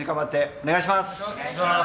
お願いします。